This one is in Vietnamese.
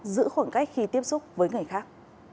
giữ khoảng cách khi tiếp xúc với người khác